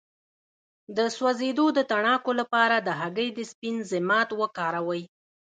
د سوځیدو د تڼاکو لپاره د هګۍ د سپین ضماد وکاروئ